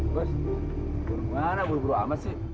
bos burung mana burung burung amat sih